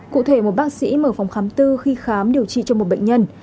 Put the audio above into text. cụ thể một bác sĩ mở phòng khám tư khi khám điều trị cho một bệnh nhân